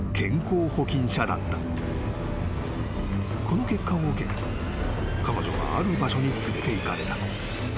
［この結果を受け彼女はある場所に連れていかれた］